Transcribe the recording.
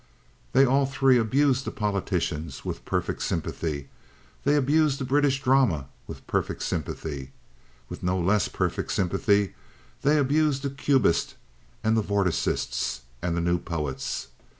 They all three abused the politicians with perfect sympathy; they abused the British drama with perfect sympathy; with no less perfect sympathy they abused the Cubists and the Vorticists and the New Poets.